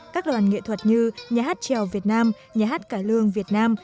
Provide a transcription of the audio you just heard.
các đoàn nghệ thuật như nhà hát trèo việt nam nhà hát cải lương việt nam